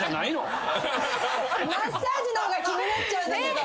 マッサージの方が気になっちゃうんだけど。